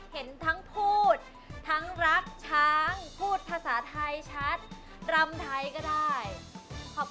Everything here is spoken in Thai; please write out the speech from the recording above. ขอบคุณที่รักคนไทยด้วยเช่นกันนะครับ